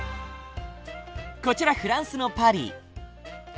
こちらフランスのパリ。